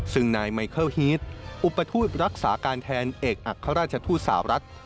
ซึ่งนายไมเคิลฮีตอุปทูตรักษาการแทนเอกอัครราชทูตสาวรัฐ